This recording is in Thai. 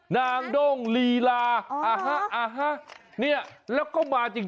ด้งลีลาฮะเนี่ยแล้วก็มาจริง